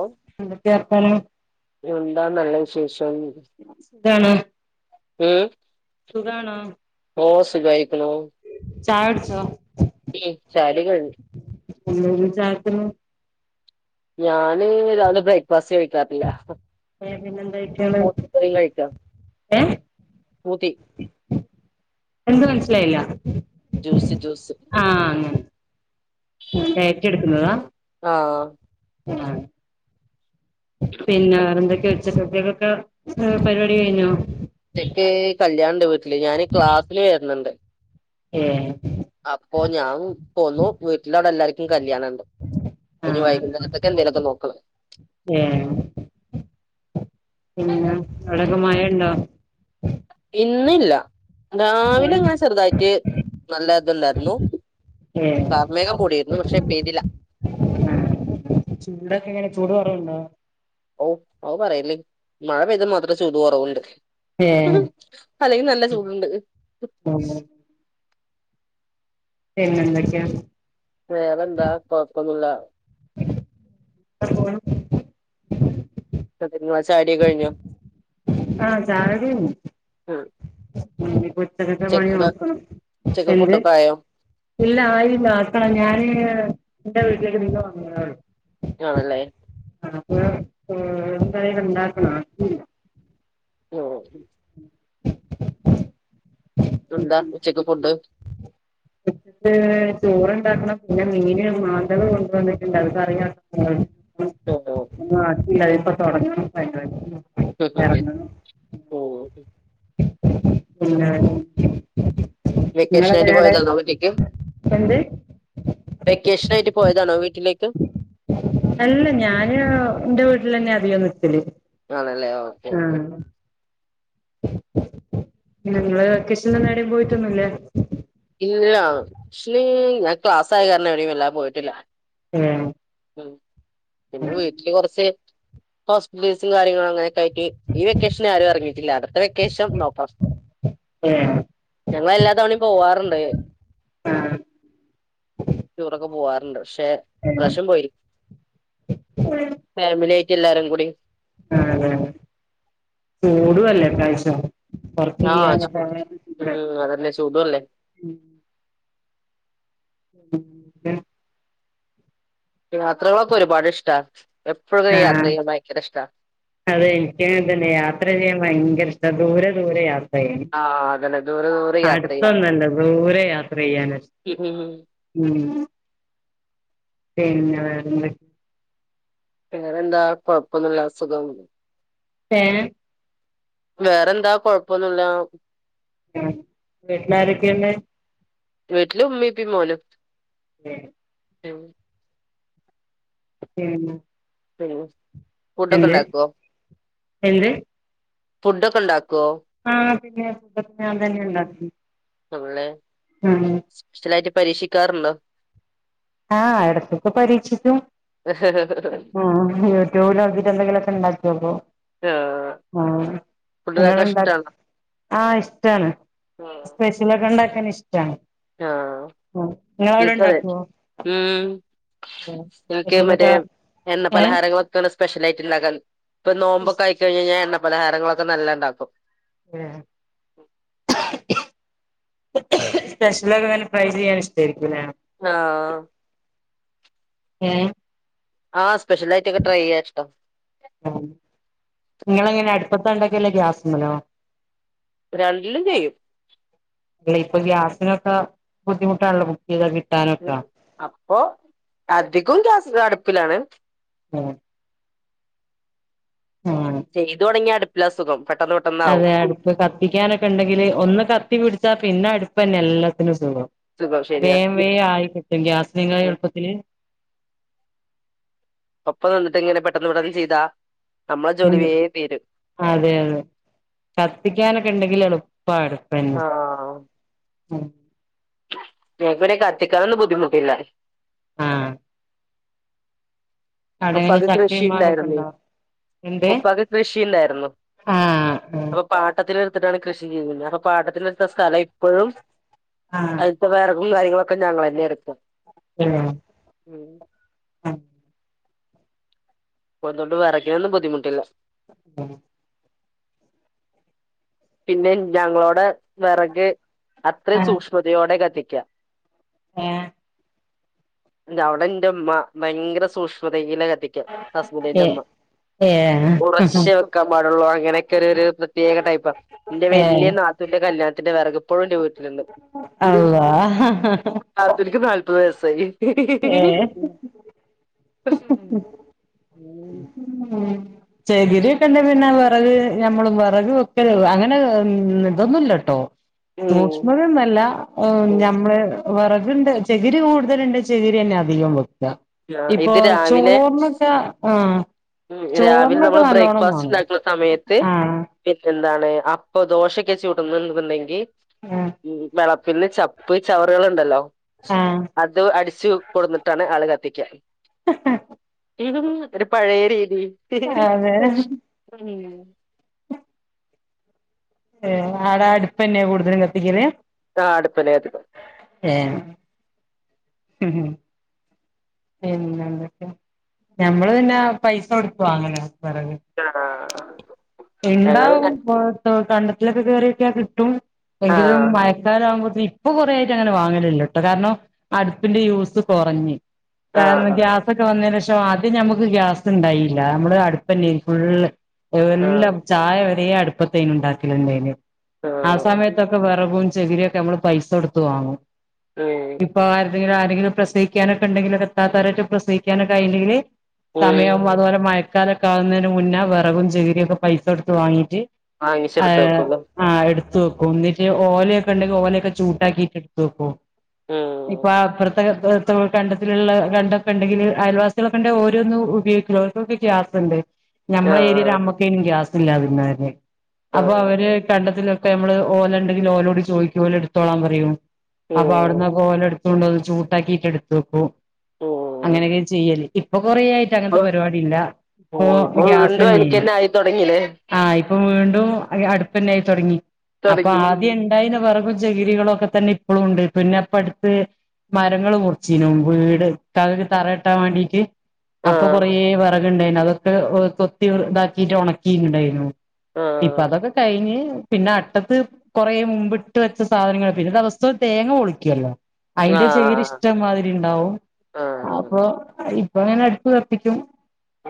ഓ എന്തൊക്കെ വർത്താനം? എന്താ നല്ല വിശേഷം. ഇതാണ്. ഉം. സുഖാണോ? ഓ സുഖയിരിക്ക്ണു. ചായോട്ച്ചോ? [unintelligible] കഴിഞ്ഞു. [unintelligible] ചായക്ക്ന്ന്? ഞാൻ ഞാന് രാവിലെ ബ്രേക്ക്ഫാസ്റ്റ് കഴിക്കാറില്ല പിന്നെന്തൊക്കെയാണ് [unintelligible] ച്ചോ? ഏ ഊതി. എന്ത് മനസിലായില്ല. Juice juice. ഡെയ്‌റ്റ് യെടുക്കുന്നതാ. ആ. ആ പിന്നെ വേറെന്തൊക്കെ? [unintelligible] പരിപാടി കഴഞ്ഞോ? ഉച്ചക്ക് കല്യാണണ്ട് വീട്ടില് ഞാന് ക്ലാസ്സിന് വരുന്നുണ്ട് ഏ അപ്പൊ ഞാൻ പോന്നു വീട്ടിലവിടെ എല്ലാർക്കും കല്യാണണ്ട് പ്പോ ഞ്ഞ് ആഹ് വൈകുന്നേരത്തൊക്കെ എന്തേങ്കലൊക്കെ നോക്കണം. ഏ. പിന്നെ അവടക്കെ മഴണ്ടോ? ഇന്നില്ല രാവിലെ ങ്ങെന്നെ ചെറുതായിട്ട് നല്ല ഇതുണ്ടായിരുന്നു. ഏ കാർമേഘം കൂടിയിരുന്നു പക്ഷെ പെയ്തില. ആഹ് ചൂടൊക്കെ എങ്ങനെ ചൂട് കൊ റവുണ്ടോ? ഓ അഅ് പറയല്ലിം മഴ പെയ്താൽ മാത്രം ചൂട് കൊറവുണ്ട്. ഏ അല്ലേലും നല്ല ചൂട്ണ്ട്. പിന്നെന്തൊക്കെയാ? വേറെന്താ കൊഴപ്പൊന്നുല്ലാ. [unintelligible] ങ്ങളെ ചയോടിയൊക്കെ കഴിഞ്ഞോ? ആ ചായകുടി ഉം കഴിഞ്ഞു ഉച്ചക്കത്തെ പണി ഉച്ചക്കുള്ള നോക്കണം ഉച്ചക്ക് എന്ത് ഫുഡൊക്കെ ആയോ ഇല്ല ആയില്ല ആത്തണം ഞാന് എന്റെ വീട്ടിലേക്ക് ഇന്ന് വന്നതാണ് ആണല്ലേ അപ്പോ എന്തായാലുമുണ്ടാകണം മ് എന്താ ഉച്ചയ്ക്ക് ഫുഡ് എന്നിട്ട് ചോറുണ്ടാക്കണം പിന്നെ മീന് മാന്തൾ കൊണ്ടുവന്നിട്ടുണ്ട് അത് കറിയാക്കണം ആ ഉം ഒന്നു ആക്കില്ലാ ഇപ്പൊ തുടങ്ങണം പരുപാടി ഓ പിന്നെ വെക്കേഷൻ ആയിട്ട് നിങ്ങളെങ്ങനെയാ അവിടെ പോയതാണ് വീട്ടീക്ക് എന്ത് വെക്കേഷൻ ആയിട്ട് പോയതാണോ വീട്ടിലേക്ക് അല്ല ഞാന് എന്റെ വീട്ടിൽ തന്നെ അധികം നിക്കൽ ആണല്ലേ ഓക്കെ ക്കെ നിങ്ങള് വെക്കേഷൻ നേടയും പോയിട്ടൊന്നുമില്ലേ ഇല്ലല്ല ഷീ ഞാൻ ക്ലാസ്സ് ആയ കാരണം എവിടെും വല്ലാ പോയിട്ടില്ല ഉം ഉം പിന്നെ വീട്ടില് കുറച്ച് ഹോസ്പിറ്റല് കേസും കാര്യം അങ്ങനെയൊക്കെ ആയിട്ട് ഈ വെക്കേഷൻ ആരും ഇറങ്ങിയിട്ടില്ല അട് ത്ത വെക്കേഷൻ നോക്കാം ഞങ്ങളെല്ലാ തവണിം പോവാറുണ്ട്. ടൂറൊക്കെ പോവാർ ക്ഷെ ഇപ്രാശം പോയി. ഫാമിലി ആയിട്ട് എല്ലാരും കൂടി. ആ അതെ ചൂടുവല്ലേ പ്രാവശ്യം. ആഹ് വർക്ക്യ്യാൻ ന്നും ചൂട് പോണില്ലേ? ഉം അതന്നെ ചൂടുല്ലേ ഉം. ഏാ യാത്രകളൊക്കെ ഒരുപാട് ഇഷ്ടാ. എപ്പോഴും ആഹ യാത്ര ചെയ്യാൻ ഭയങ്കര ഇഷ്ടാ അതെ, എനിക്ക്ങ്ങനതന്നെ യാത്ര ചെയ്യാൻ ഭയങ്കരഷ് ക്കെ ദൂരെ ദൂരെ യാവും ഹേ ആഹ് അതന്നെ ദൂരെ ദൂരെ യാത്ര ചെയ്യാം അടുത്തൊന്നല്ല ദൂരെ യാത്ര ചെയ്യാനാഷ് ഉും പിന്നെേ വേറെൻതെകെ വേറെന്താ കൊഴപ്പൊന്നുല്ല സുഖം. ഏ എം വേറെന്താ കൊഴപ്പൊന്നുല്ല ആ വീട്ടിലാരൊക്കെണ്ട് വിട്ടില് ഉമ്മി പിം മോനും. ഏ [unintelligible] എൻന്ന് ഹാലോ സ് എന്ത് എൻന്ത് ഫുഡ്ക്കെണ്ടാക്കും ആ പിന്നെ ഫുഡ്ക്കെ ഞാൻ തന്നെ ണ്ടാക്കി നമ്മളെ സ്പെഷ്യലായിട്ട് പരീക്ഷിക്കാർ ണ്ടോ ആഹ എടക്കൊക്കെ പരീക്ഷിക്കും. ആ യൂട്യൂബിലോക്കിട്ട് എന്തെങ്കിലും ക്കെണ്ടാക്കോക്കും. ആഹ് ആഹ ഫുഡ്ണ്ടാക്കാൻ നിങ്ങളുണ്ടാക് ഇഷ്ടാണോ ആഹ് ഇഷ്ടാണ്. സ്പെഷ്യലൊക്കെ ണ്ടാക്ക് ആഹ നിങ്ങളവിടെ നിക്കും അതെ, ഉണ്ടാക്കുവോ ഉം എനിക്ക് മറ്റേ സ്പെഷ്യലൊക്കെ എണ്ണ ഏഹ് പലഹാരങ്ങളൊക്കെയ സ്പെഷ്യൽ ആയിട്ട് ഉണ്ടാക്കാൻ ഇപ്പൊ നോമ്പൊക്കെയി കഴിഞ്ഞാൽ എണ്ണ പലഹാരങ്ങളൊക്കെ നല്ല ഉണ്ടാക്കും ഉഹ സ്പെഷ്യലൊക്കെനെ ഫ്രൈ ചെയ്യാൻ ഇഷ്ടമായിരിക്കുലെ ആഹ ആം ആഹ സ്പെഷ്യൽ ആയിട്ടൊക്കെ ട്രൈ ചെയ്യാ ഇഷ്ടോ നിങ്ങള എങ്ങനെ അടുപ്പത്തണ്ടൊക്കെല്ലോ ഗ്യാസമ്മലോ രണ്ടിലും ചെയ്യും അല്ല ഇപ്പൊ ഗ്യാസിനൊക്കെ ബുദ്ധിമുട്ടാണല്ലപ്പൊ അപ്പൊ അധികം ഗ്യാസ്അല്ല അടുപ്പിലാണ് ആ ചെയ്തു തുടങ്ങിയ അടുപ്പില സുഖം പെട്ടെന്ന് പെട്ടെന്നാവും അതെ അടുപ്പ് കത്തിക്കാനൊക്കെ ഉണ്ടെങ്കിൽ ഒന്ന് കത്തി പിടിച്ചാ പിന്നെ അടുപ്പ്ന്നെ എല്ലാത്തിനുംസു സുഖം ശരിയാ വേം വേ ആയി കിട്ടും ഗ്യാസ നിങ്ങള എളുപ്പത്തിന് ഒപ്പം നിന്നിട്ട് ഇങ്ങനെ പെട്ടന്ന് ഇവിടെന്നു ചെയ്താ നമ്മളെ ജോലി അതെ വേം തീരും അതെ കത്തിക്കാനൊക്കെ ണ്ടെങ്കിൽ എളുപ്പ എളപ്പന്ന ഞക്ക് പിനെ കത്തിക്കാനൊന്നും ബുദ്ധിമുട്ടില്ല ആഹ് ഇപ്പൊ അവിടെങ്ങനെ പകത്തിന് ചക്കയും ഷീല്ലായിരു മാങ്ങൊക്കെ ന്നീ ഉണ്ടോ എന്ത് ഉപ്പാക്ക് കൃഷിണ്ടായിരുന്നു ആഹ് അപ്പൊ പാട്ടത്തിലൊ കൃഷി ചെയുന്നത്പ്പ പാട്ടത്തിടുത്ത സ്ഥലം ഇഴും ആഹ് അതിപ്പ വേറെ കായും കാര്യങ്ങളൊക്കെ ഞങ്ങൾ തന്നെ എടുക്കും ആഹ് ഏഹ് അത് കൊണ്ട് വിറ യ്കി നൊന്നും ബുദ്ധിമുട്ടില്ല ആഹ പിന്നെ ഞങ്ങളോടെ വിറക് അത്ര സൂക്ഷ്മതയോടെ കത്തിക്കാം ആഹ അവിടെ എന്റെമ്മ ഭയങ്കര സൂക്ഷ്മതയില കത്തിക്കും ഹസ്ബൻഡ് ഏഹ് ന്റെ അമ്മ ഏഹ് ഏഹ് കുറച്ചേ വെക്കാൻ പാടുള്ളൂ അങ്ങനെയൊക്കെ ഒരു പ്രത്യേക ടൈപ്പ എന്റെ വലിയ ഏഹ് നാത്തൂന്റെ കല്യാണത്തിന്റെ വിറകിപ്പോഴുംന്റെ വീട്ടിലുണ്ട് അള്ളാ നാത്തൂൻക്ക് നാല്പത് വയസായി ഹി ഹി.... ഏഹ് ഉ ചേകിരിയൊക്കെ ഉണ്ട പിന്നെ വിറക് ഞമ്മള വിറക ഒക്കെ അങ്ങനെ ഇതൊന്നുമല്ലട്ടോ ഉം സൂക്ഷ്മതൊന്നല്ല ഉം ഞമ്മള് വിറകണ്ട് ചകിരി കൂടുതലുണ്ട് ചെക്കിരി തന്നെ അധികം വെക്കുക ആ ഇപ്പൊ ഇത് ചോറിനൊക്കെ ആ ഉ രാവിലെ നമ്മള് ബ്രേക്ക്ഫാസ്റ്റ് ഉണ്ടാക്കുന്ന സമയത്ത് ആഹ് പിന്നെ എ അപ്പൊ ദോശൊക്കെ ചട്ടുന്നുണ്ടെങ്കിൽ ആഹ് പിന്നെ ചപ്പ് ചവറുകുണ്ടല്ലോ ആഹ് അത് അടിച്ചു കൊടുന്നിട്ടാണ് ആള് കത്തിക്കുക ഹ ഹ.... ഉ ഒരു പഴയ രീതി അതെ ഉ ഏ് ആടാ അടുപ്പന്നെ കൂടുതലും കത്തിക്കല് ആ അടുപ്പില് കത്തിക്കും ഏ ഹം ഹ പിന്നെന്തൊക്കെ ഞമ്മള് പിന്നെ പൈസ കൊടുത്തു വാങ്ങല അആ ഇ ണ്ടാവും കണ്ടത്തിലൊക്കെ കേയറിയൊക്യ കിട്ടും ആ എങ്കിലും മയക്കാരലാ കുമ്പോ ഇപ്പൊ കൊറേ ആായിട്ട് അങ്ങനെ വാങ്ങലല്ലോ ട്ടൊ കാരണം അടുപ്പിന്റെ യൂസ് കുറഞ്ഞ് ആ കാരണം ആ ഗ്യാസൊക്കെ വന്നേന്റേഷ് ആദ്യം ഞമ്മക്ക് ഗ്യാസ്ണ്ടായില്ല. നമ്മള് അട്പ്പല്ലേ ഫുള്ള് ആ എല്ലാം ചായ വരെ അടുപ്പത്തേനുണ്ടാക്കലിണ്ടേന്. ആ ഉം സമയത്തൊക്കെ വെറകും, ചെ ചെകിരിയൊക്കെ നമ്മള് പൈസടുത്ത് വാങ്ങും. ഉഉം വേറെ ആരെങ്കിലു പ്രസവി ക്കാനൊക്കെണ്ടെങ്കില്. ഇത്താത്താ രോക്കെ പ്രസവിക്കാനൊക്കാ യിണ്ടെങ്കില് ഉം സമയവും അത് പോലെ മയകാല ക്കാവുന്നിന് മുന്നെ വെറകും, ചകരി ഒക്കെ പൈസടുത്ത് വാങ്ങീറ്റ് അ, ഹെ വാങ്ങിച്ചെടുത്ത് വെക്കുള്ളൂ അ ആ എടുത് ത്ത് വെക്കും. ന്നിട്ട് ഓലയൊക്കെ ണ്ടെങ്കില് ഓലയൊക്കെ ചൂട്ടാക്കിട്ട് ഇട് ത്തെക്കും. ഉം ഇപ്പാ പർത് [unintelligible] കണ്ടത്തിലുള്ള കണ്ടൊക്കെണ്ടെങ്കില്, അയൽവാസികളക്കെണ്ടെ ഓരൊന്നും ഉപയോയ്ക്കൂല. ഓൽകൊക്കെ ഗ്യാസ് ണ്ട്‌. ഞമ്മളെ ഏരിയെല് ആഹ് മ്മക്കെയ്ന് ഗ്യാസില്ലാതിരുന്നെന്. അപ്പൊ ആഹ് അവര് കണ്ടതിലൊക്കെ പ്പെ നമ്മള് ഓലണ്ടെങ്കിൽ ഓലോട് ചോയിക്കും ഓല് എടുത്തോളാം പറയും. അപ്പൊ ഉം അവടന്നൊക്ക ഓല എട് കൊണ്ടുവന്ന് ചൂട്ടാക്കിട്ട് എടുതുവെക്കും. ഉം അങ്ങനെയൊക്കെ ചെയ്യല് ഇപ്പൊ കൊറേയായിട്ട് ഇപ്പൊ അങ്ങനത്തെ പരിപാടി ഇല്ല. ഇപ്പൊ ഗ്യാസ്തന്നെനി. പിന്നില്ലേ വീണ്ടും അടുപ്പന്നായി തൊടങ്ങി. അപ്പൊ തൊടങ്ങി ആദ്യണ്ടായിനെ വറകും ചകിരികളൊക്കെ തന്നെ ഇപ്പളുംണ്ട്. പിന്നെ പ്പ അട്ത്ത് മരങ്ങള് മുർച്ചീനു, വീട് ക്കാകക്ക് തറ ട്ടാൻ വാൻണ്ടിട്ട് അപ്പൊ കൊറേ ആഹ് വെറക്ണ്ടായിനു, അതൊക്കെ കൊത്തി താക്കിട്ട് ഉണക്കിയിണ്ടായിനു. ഇപ്പൊ ആഹ് അതൊക്കെ കഴിഞ്ഞ്. പിന്നെ അട്ടത്ത് കൊറേ മുമ്പ്ട്ട് വെച്ച സാധനങ്ങൾ, പിന്നെ ദിവസ്സും തേങ്ങ പൊളിക്കുല്ലോ? അയിന്റെ ചകിരി ആഹ് ഇഷ്ട്ടം മാതിരി ണ്ടാവും. ആഹ് അപ്പൊ അപ്പ അങ്ങനെ അടുപ്പ് കത്തിക്കും.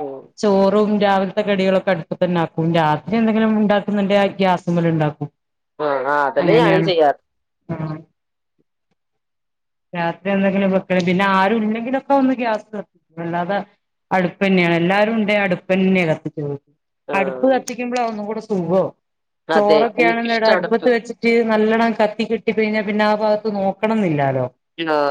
ഉം ചോറും രാവിലത്തെ കടികളൊക്കെ ക്കെ അടുപ്പത്തന്നെ ആക്കും. രാത്രി എന്തെങ്കിലും ണ്ടാക്കുന്നുണ്ടെ ഗ്യാസ്മല് ണ്ടാക്കും. ആഹ ആ്അതന്നെ ഞാനും ചെയ്യാറ്. ആഹ. രാത്രി എന്തെങ്കിലും വെക്ക, പിന്നെ ആരുല്ലെങ്കിലൊക്കെ ഒന്ന് ഗ്യാസ് വെക്കും അല്ലാതെ അടുപ്പന്നെയാണ് എല്ലാരും ഉണ്ടേ അടുപ്പന്നെ കത്തിചൊള്ളു. അടുപ്പ് ആഹ് കത്തിക്കുമ്പളാ ഒന്നും കൂടെ സുഖം. അതെ ചോറൊക്കെയാണടെ എനിക്കിഷ്ടടപ്പ് അടുപ്പത്ത് വെച്ചിട്ട് നല്ലണം കത്തി കെട്ടിക്കയിഞ്ഞ പിന്നെ ആ ഭാഗത്ത് നോക്കണംന്നി ല്ലാലോ?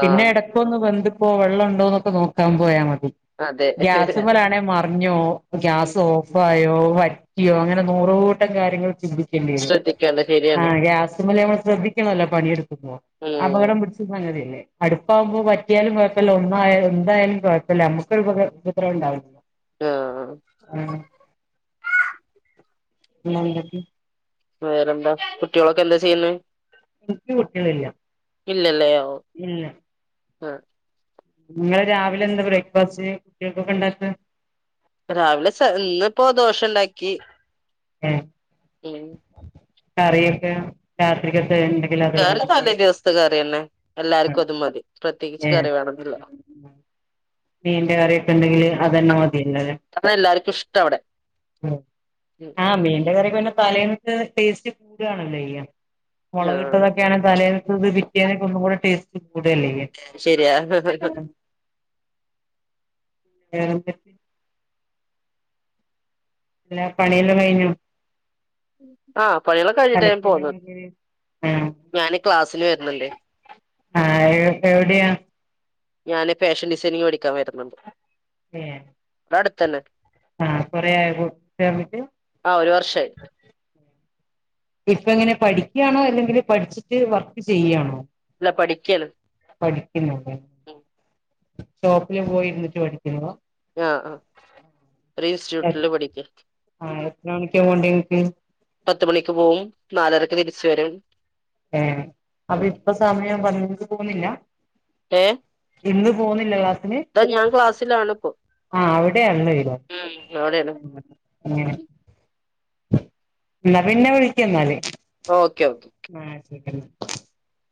പിന്നെ എടക്കൊന്നു വെന്തു വെള്ളം ഉണ്ടോന്നൊക്കെ നോക്കാൻ പോയാ മതി അതെ ഗ്യാസുമലാണെ മറ ഞ്ഞോ, ഗ്യാസ് ഓഫായോ, വറ്റിയോ അങ്ങനെ നൂറൂട്ടം കാര്യങ്ങൾ ശ്രെദ്ധിക്കേണ്ടിയരും. ശ്രദ്ധിക്കേണ്ട ആ ശരിയാണ് ഗ്യാസുമ്മല് ഞ മ്മള് ശ്രദ്ധിക്കണല്ലോ പണിയെടു ഉം അപകടം പിടിച്ച സംഗതിയല്ലെ? അടുപ്പാകുമ്പോ വറ്റിയാലും കൊഴപ്പല്ല. ഒന്നായാലും, എന്തായാലും കൊഴപ്പല്ല നമ്മുക്ക് ഉപ ഉപദ്രവം ഉണ്ടാവൂല്ല ആഹ് ആ പിന്നെന്തൊക്കെ? വേറെന്താ. കുട്ടികളൊക്കെ എന്താ ചെയ്യുന്നെ? ക്ക് കുട്ടികളില്ല. ഇല്ലല്ലേ? ഓ. ഇല്ല നിങ്ങള് രാവിലെ എന്താ ബ്രേക്ക്ഫാസ്റ്റ്? കുട്ടികൾക്കൊക്കെ ണ്ടാക്ക. രാവിലെ ഇന്ന് ഇപ്പോ ദോശ ണ്ടാക്കി. എ. ഏ? കറിയൊക്കെ രാത്രികക് കറി താലേ ദിവസത്തെ കറിയെന്നെ. എല്ലാര്ക്കും അത് മതി. പ്രത്യേകിച്ച് കറി വേണന്നില്ല. ഏഹ് മീന്റെ കറിയൊക്കെ ണ്ടെങ്കില് അതന്നെ മതില്ലോല്ലെ? അതാ എല്ലാർക്കും ഇഷ്ടം അവിടെ ഉം ആഹ മീന്റെ കറി പിന്നെ തലേന്നത്തെ ടേസ്റ്റ് കൂടണല്ലോ ചെയ്യാ. ആ മൊളകി ട്ടതൊക്കെയാണ് തലേന്ന ത്തത് പിറ്റിയേന്നക്ക് ഒന്നൂടെ ടേസ്റ്റ്. കൂടല്ല ശരിയാ [inaudible] അല്ല പണിയെല്ലാം കഴിഞ്ഞു ആഹ്! പണികളൊെ കഴിഞ്ഞിട്ടായ പോന്നത് കഴിഞ്ഞ് ആഹ് ഞാന് ക്ലാസ്സില് വരുന്നുണ്ട് ആഹ എവിടെയാാണ്? ഞാന് ഫാഷൻ ഡിസൈനിങ് പടിക്കാൻ വരുന്നുണ്ട് ഏ പടുത്തനെ ആഹ കൊറേ ആയോ ചേർന്നിട്ട് ആ ഒരു വർഷമായി ഇപ്പ എങ്ങനെ പഠിക്കയാണോ അല്ലെങ്കിൽ പഠിച്ചിട്ട് വർക്ക് ചെയ്യയാണോ? ഇല്ല പഠിക്കല് ഷോപ്പില് പോയിരുന്നിട്ട് പഠിക്കുന്നു ആഹ് ആഹ ഒരു ഇൻസ്റ്റിറ്റ്യൂട്ടില് പഠിക്ക ആഹ് എത്ര മണിക്കാ പോണ്ടേ ഇങ്ങക്ക് പത്ത് മണിക്ക് പോവും നാലരക്ക് തിരിച്ചു വരും ഏ അപ്പൊ ഇപ്പൊ സമയം പറഞ്ഞി തോന്നില്ല ഏ ഇന്ന് പോന്നില്ലേ ഇതാ ഞാൻ ക്ലാസ്സിലാണ് ഇപ്പൊ ആ അവിടെ അല എന്നാ ഉം അവിടെയാണ് പിന്നെ വിളിക്ക എന്നാല് ഓക്കെ ഓക്കേ [unintelligible]